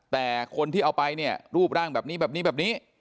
แต่คนที่เอาไปเนี่ยรูปร่างแบบนี้แบบนี้แบบนี้